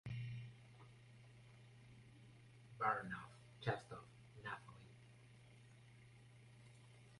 Baranoff-Chestov, Nathalie.